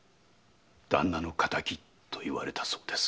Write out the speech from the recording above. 「旦那の敵」と言われたそうです。